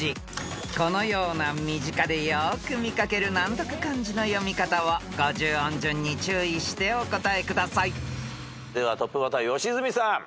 ［このような身近でよく見掛ける難読漢字の読み方を５０音順に注意してお答えください］ではトップバッター良純さん。